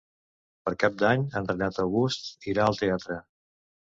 Per Cap d'Any en Renat August irà al teatre.